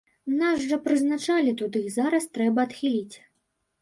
Нас жа прызначалі туды, зараз трэба адхіліць.